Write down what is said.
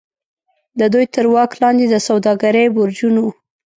د دوی تر واک لاندې د سوداګرۍ برجونو.